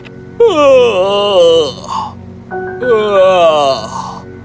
kelopak matanya menjadi berat